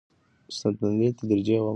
ستنېدنه تدریجي او امن وي.